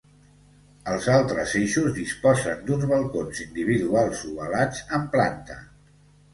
Els altres eixos disposen d'uns balcons individuals ovalats en planta.